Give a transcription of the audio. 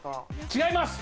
違います。